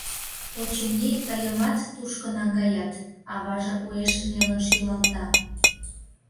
Очыни, тыйымат тушко наҥгаят, — аваже уэш нелын шӱлалта.